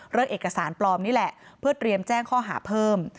เอกสารปลอมนี่แหละเพื่อเตรียมแจ้งข้อหาเพิ่ม